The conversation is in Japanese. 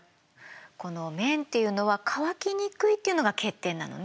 この綿っていうのは乾きにくいっていうのが欠点なのね。